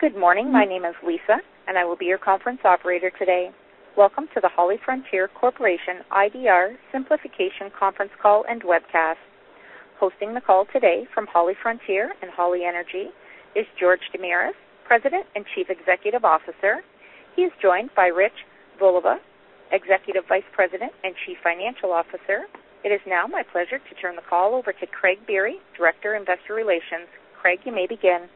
Good morning. My name is Lisa. I will be your conference operator today. Welcome to the HollyFrontier Corporation IDR Simplification conference call and webcast. Hosting the call today from HollyFrontier and Holly Energy is George Damiris, President and Chief Executive Officer. He is joined by Rich Voliva, Executive Vice President and Chief Financial Officer. It is now my pleasure to turn the call over to Craig Biery, Director of Investor Relations. Craig, you may begin.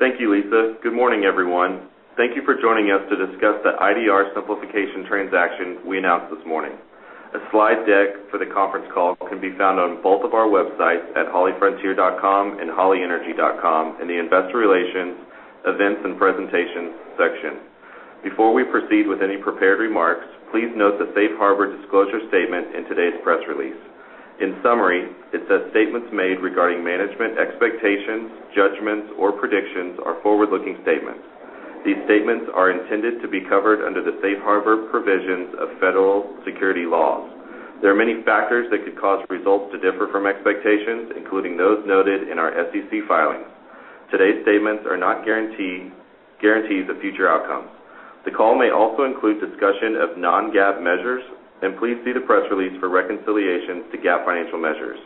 Thank you, Lisa. Good morning, everyone. Thank you for joining us to discuss the IDR simplification transaction we announced this morning. A slide deck for the conference call can be found on both of our websites at hollyfrontier.com and hollyenergy.com in the Investor Relations Events and Presentation section. Before we proceed with any prepared remarks, please note the safe harbor disclosure statement in today's press release. In summary, it says statements made regarding management expectations, judgments, or predictions are forward-looking statements. These statements are intended to be covered under the safe harbor provisions of federal securities laws. There are many factors that could cause results to differ from expectations, including those noted in our SEC filings. Today's statements are not guarantees of future outcomes. The call may also include discussion of non-GAAP measures. Please see the press release for reconciliation to GAAP financial measures.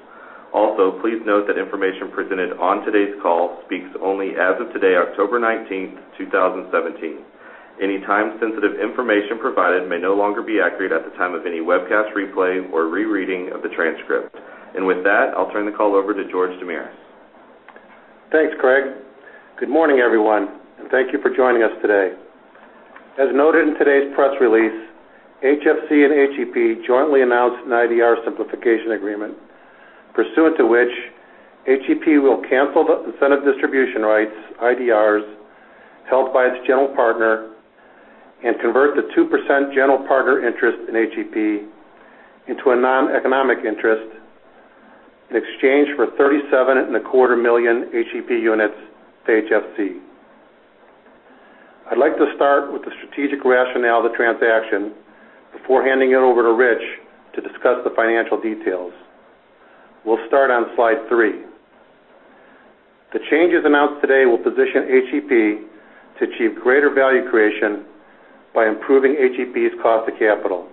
Also, please note that information presented on today's call speaks only as of today, October 19, 2017. Any time-sensitive information provided may no longer be accurate at the time of any webcast replay or rereading of the transcript. With that, I'll turn the call over to George Damiris. Thanks, Craig. Good morning, everyone. Thank you for joining us today. As noted in today's press release, HFC and HEP jointly announced an IDR simplification agreement, pursuant to which HEP will cancel the Incentive Distribution Rights, IDRs, held by its general partner and convert the 2% general partner interest in HEP into a non-economic interest in exchange for 37.25 million HEP units to HFC. I'd like to start with the strategic rationale of the transaction before handing it over to Rich to discuss the financial details. We'll start on slide three. The changes announced today will position HEP to achieve greater value creation by improving HEP's cost of capital.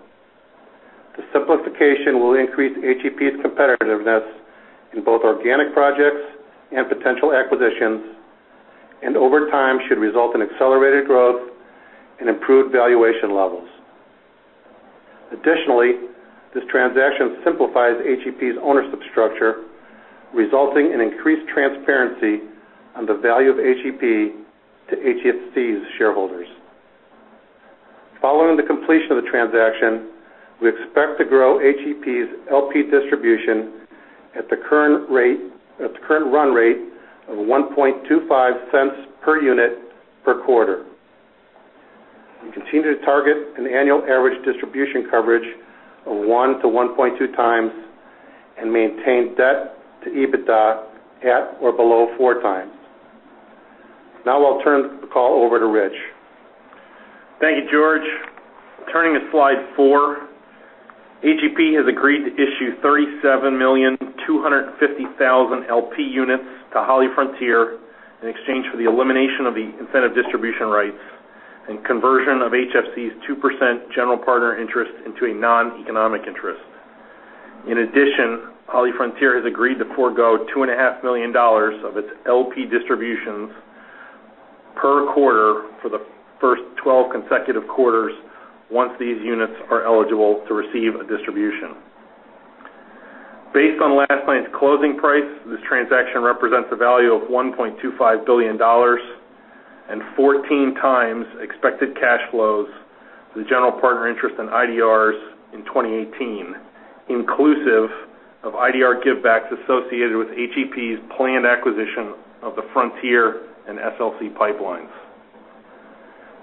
The simplification will increase HEP's competitiveness in both organic projects and potential acquisitions. Over time, should result in accelerated growth and improved valuation levels. Additionally, this transaction simplifies HEP's ownership structure, resulting in increased transparency on the value of HEP to HFC's shareholders. Following the completion of the transaction, we expect to grow HEP's LP distribution at the current run rate of $0.0125 per unit per quarter. We continue to target an annual average distribution coverage of one to 1.2 times and maintain debt to EBITDA at or below four times. Now I'll turn the call over to Rich. Thank you, George. Turning to slide four, HEP has agreed to issue 37,250,000 LP units to HollyFrontier in exchange for the elimination of the Incentive Distribution Rights and conversion of HFC's 2% general partner interest into a non-economic interest. In addition, HollyFrontier has agreed to forego $2.5 million of its LP distributions per quarter for the first 12 consecutive quarters once these units are eligible to receive a distribution. Based on last night's closing price, this transaction represents a value of $1.25 billion and 14 times expected cash flows to the general partner interest in IDRs in 2018, inclusive of IDR givebacks associated with HEP's planned acquisition of the Frontier and SLC pipelines.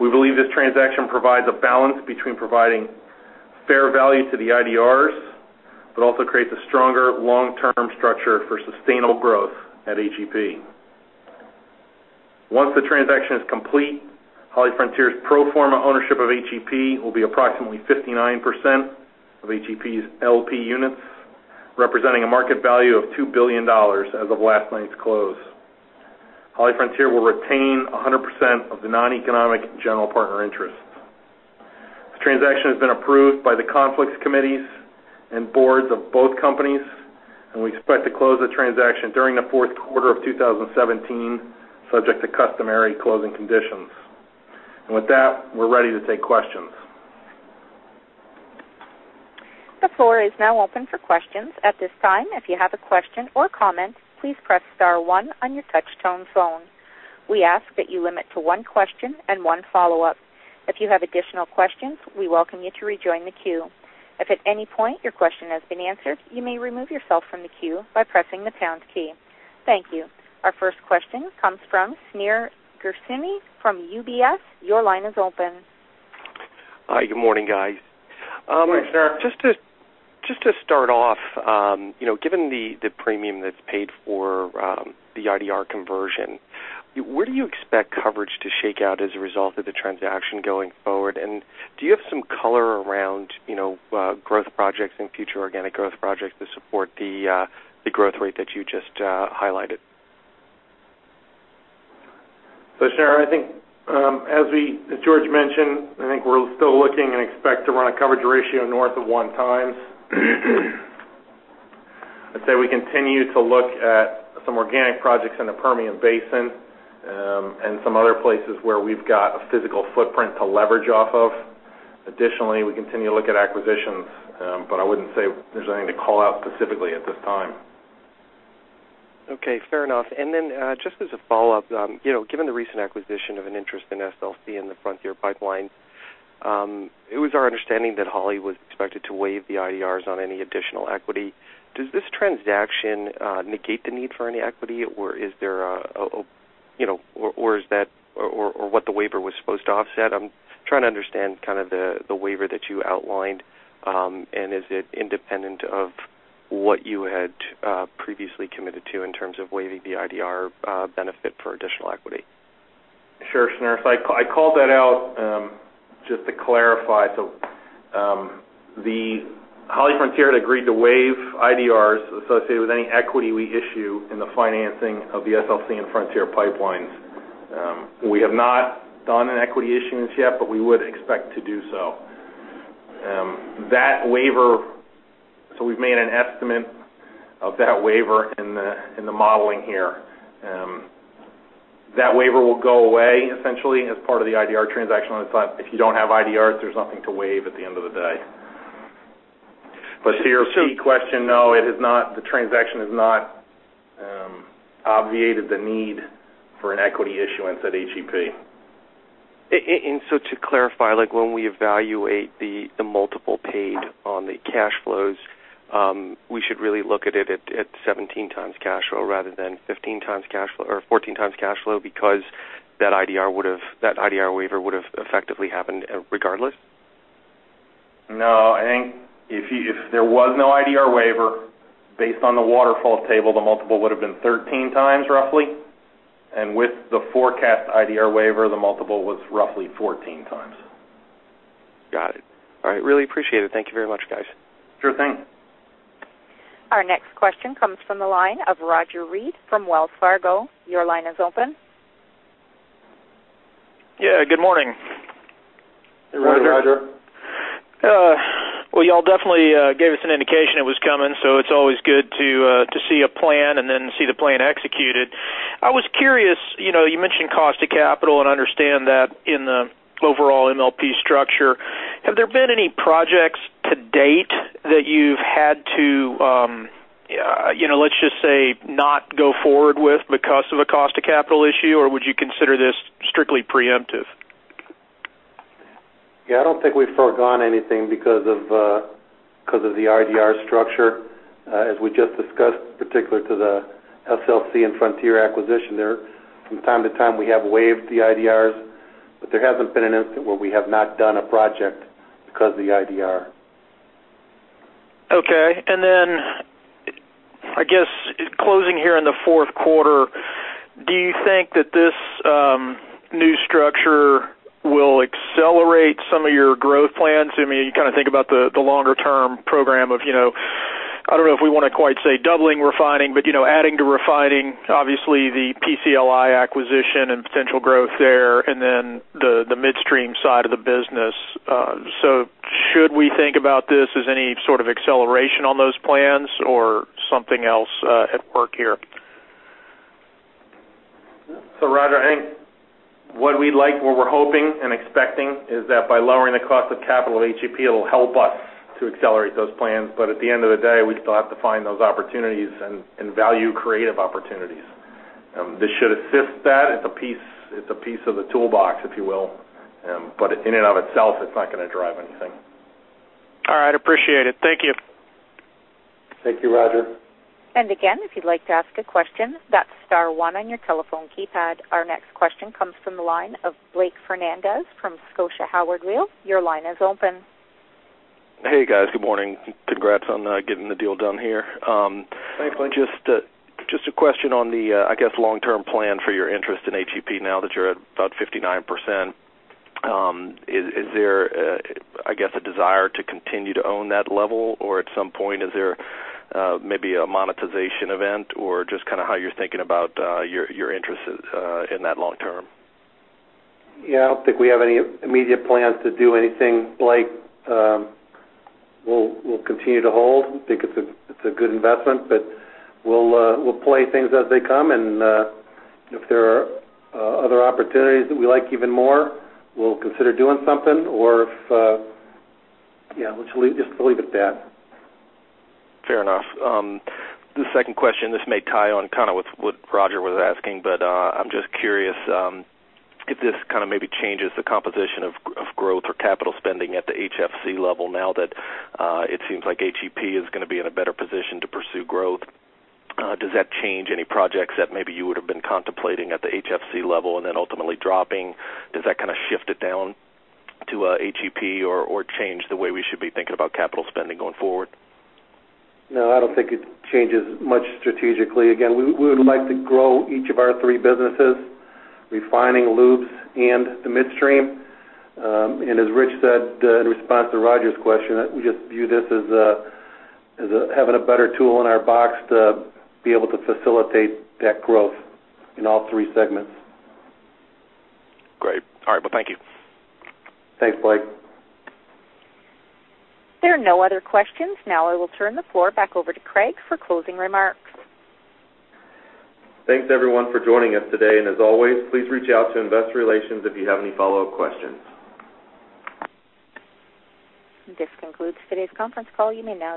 We believe this transaction provides a balance between providing fair value to the IDRs, also creates a stronger long-term structure for sustainable growth at HEP. Once the transaction is complete, HollyFrontier's pro forma ownership of HEP will be approximately 59% of HEP's LP units, representing a market value of $2 billion as of last night's close. HollyFrontier will retain 100% of the non-economic general partner interest. This transaction has been approved by the conflicts committees and boards of both companies. We expect to close the transaction during the fourth quarter of 2017, subject to customary closing conditions. With that, we're ready to take questions. The floor is now open for questions. At this time, if you have a question or comment, please press star one on your touch-tone phone. We ask that you limit to one question and one follow-up. If you have additional questions, we welcome you to rejoin the queue. If at any point your question has been answered, you may remove yourself from the queue by pressing the pound key. Thank you. Our first question comes from Shneur Gershuni from UBS. Your line is open. Hi, good morning, guys. Good morning, sir. Just to start off, given the premium that's paid for the IDR conversion, where do you expect coverage to shake out as a result of the transaction going forward? Do you have some color around growth projects and future organic growth projects to support the growth rate that you just highlighted? Sure. I think as George mentioned, I think we're still looking and expect to run a coverage ratio north of one times. I'd say we continue to look at some organic projects in the Permian Basin, and some other places where we've got a physical footprint to leverage off of. Additionally, we continue to look at acquisitions. I wouldn't say there's anything to call out specifically at this time. Okay, fair enough. Just as a follow-up, given the recent acquisition of an interest in SLC and the Frontier pipeline, it was our understanding that Holly was expected to waive the IDRs on any additional equity. Does this transaction negate the need for any equity? What the waiver was supposed to offset? I'm trying to understand the waiver that you outlined, is it independent of what you had previously committed to in terms of waiving the IDR benefit for additional equity? Sure, sure. I called that out, just to clarify. HollyFrontier had agreed to waive IDRs associated with any equity we issue in the financing of the SLC and Frontier pipelines. We have not done an equity issuance yet, but we would expect to do so. We've made an estimate of that waiver in the modeling here. That waiver will go away essentially as part of the IDR transaction. If you don't have IDRs, there's nothing to waive at the end of the day. To your key question, no, the transaction has not obviated the need for an equity issuance at HEP. To clarify, when we evaluate the multiple paid on the cash flows, we should really look at it at 17x cash flow rather than 14x cash flow because that IDR waiver would've effectively happened regardless? No. If there was no IDR waiver, based on the waterfall table, the multiple would've been 13x roughly. With the forecast IDR waiver, the multiple was roughly 14x. Got it. All right. Really appreciate it. Thank you very much, guys. Sure thing. Our next question comes from the line of Roger Read from Wells Fargo. Your line is open. Yeah, good morning. Good morning, Roger. You all definitely gave us an indication it was coming, so it's always good to see a plan and then see the plan executed. I was curious, you mentioned cost of capital, and I understand that in the overall MLP structure. Have there been any projects to date that you've had to, let's just say, not go forward with because of a cost of capital issue, or would you consider this strictly preemptive? Yeah, I don't think we've foregone anything because of the IDR structure. As we just discussed, particular to the SLC and Frontier acquisition there, from time to time, we have waived the IDRs, but there hasn't been an instance where we have not done a project because of the IDR. Okay. Closing here in the fourth quarter, do you think that this new structure will accelerate some of your growth plans? You think about the longer-term program of, I don't know if we want to quite say doubling refining, but adding to refining, obviously the PCLI acquisition and potential growth there, and then the midstream side of the business. Should we think about this as any sort of acceleration on those plans or something else at work here? Roger, I think what we'd like, what we're hoping and expecting is that by lowering the cost of capital at HEP, it'll help us to accelerate those plans. At the end of the day, we still have to find those opportunities, and value creative opportunities. This should assist that. It's a piece of the toolbox, if you will. In and of itself, it's not going to drive anything. All right, appreciate it. Thank you. Thank you, Roger. Again, if you'd like to ask a question, that's star one on your telephone keypad. Our next question comes from the line of Blake Fernandez from Scotiabank Howard Weil. Your line is open. Hey, guys. Good morning. Congrats on getting the deal done here. Thanks, Blake. Just a question on the, I guess, long-term plan for your interest in HEP now that you're at about 59%. Is there, I guess, a desire to continue to own that level, or at some point, is there maybe a monetization event or just how you're thinking about your interest in that long term? Yeah, I don't think we have any immediate plans to do anything, Blake. We'll continue to hold. We think it's a good investment, but we'll play things as they come, and if there are other opportunities that we like even more, we'll consider doing something. Yeah, let's just leave it at that. Fair enough. The second question, this may tie on what Roger was asking, but I'm just curious if this maybe changes the composition of growth or capital spending at the HFC level now that it seems like HEP is going to be in a better position to pursue growth. Does that change any projects that maybe you would've been contemplating at the HFC level and then ultimately dropping? Does that shift it down to HEP or change the way we should be thinking about capital spending going forward? No, I don't think it changes much strategically. Again, we would like to grow each of our three businesses, refining lubes and the midstream. As Rich said, in response to Roger's question, we just view this as having a better tool in our box to be able to facilitate that growth in all three segments. Great. All right. Well, thank you. Thanks, Blake. There are no other questions. Now I will turn the floor back over to Craig for closing remarks. Thanks everyone for joining us today, and as always, please reach out to investor relations if you have any follow-up questions. This concludes today's conference call. You may now disconnect.